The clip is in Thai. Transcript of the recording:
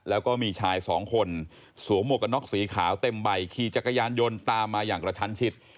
แล้วก็มีชายสองคนสวมหมวกกันน็อกสีขาวเต็มใบขี่จักรยานยนต์ตามมาอย่างกระชั้นชิด